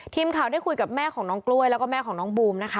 ทีมข่าวได้คุยกับแม่ของน้องกล้วยแล้วก็แม่ของน้องบูมนะคะ